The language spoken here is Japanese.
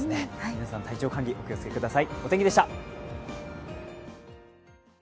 皆さん体調管理、お気をつけください。